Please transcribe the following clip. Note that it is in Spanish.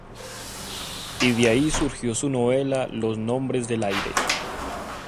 Y de ahí surgió su novela Los nombres del aire.